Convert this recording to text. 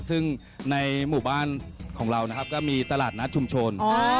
ซึ่งในหมู่บ้านของเรานะครับก็มีตลาดนัดชุมชน